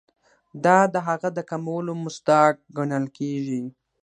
دا د هغه د کمولو مصداق ګڼل کیږي.